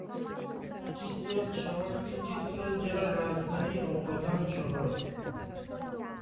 চিত্রল শহরটি চিত্রল জেলার রাজধানী ও প্রধান শহর।